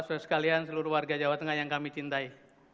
saudara sekalian seluruh warga jawa tengah yang kami cintai